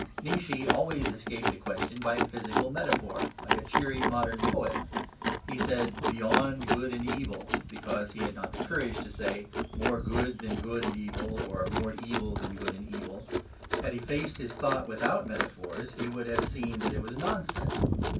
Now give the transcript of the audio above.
Nietzsche always escaped a question by a physical metaphor, like a cheery minor poet. He said, "beyond good and evil," because he had not the courage to say, "more good than good and evil," or, "more evil than good and evil." Had he faced his thought without metaphors, he would have seen that it was nonsense.